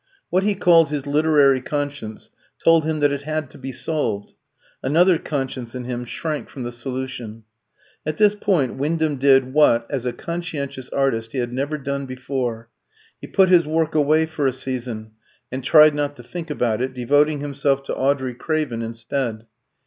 What he called his literary conscience told him that it had to be solved; another conscience in him shrank from the solution. At this point Wyndham did what, as a conscientious artist, he had never done before; he put his work away for a season, and tried not to think about it, devoting himself to Audrey Craven instead.